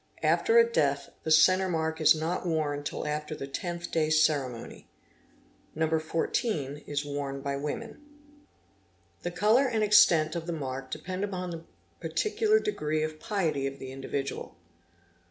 After a death the centre mark is not worn till — after the tenth day ceremony. No. 14 is worn by women. The colour and extent of the mark depend upon the particular degree of piety of the individual.